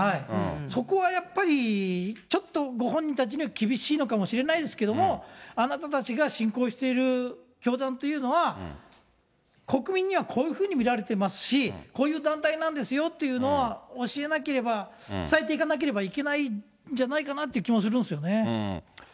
そこはやっぱり、ちょっとご本人たちには厳しいのかもしれないですけど、あなたたちが信仰している教団というのは、国民にはこういうふうに見られてますし、こういう団体なんですよっていうのは、教えなければ、伝えていかなければいけないんじゃないかなという気もするんですよね。